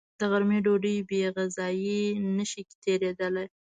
د غرمې ډوډۍ بېغذايي نشي تېرېدلی